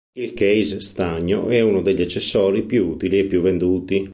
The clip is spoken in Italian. Il case stagno è uno degli accessori più utili e più venduti.